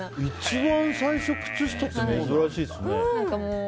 一番最初、靴下って珍しいですね。